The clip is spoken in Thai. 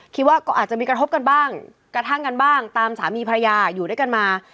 คิดว่าก็อาจจะมีกระทบกันบ้างตามสามีภรรยาอยู่ด้วยกันมา